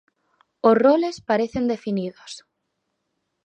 Os roles parecen definidos.